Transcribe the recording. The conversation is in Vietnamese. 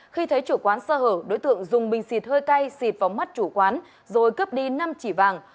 khi thấy chủ quán sơ hở đối tượng dùng bình xịt hơi cay xịt vào mắt chủ quán rồi cướp đi năm chỉ vàng